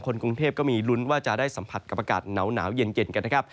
กรุงเทพก็มีลุ้นว่าจะได้สัมผัสกับอากาศหนาวเย็นกันนะครับ